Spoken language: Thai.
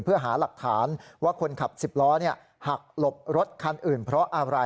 เพื่อหาหลักฐานว่าคนขับ๑๐ล้อหักหลบรถคันอื่นเพราะอะไร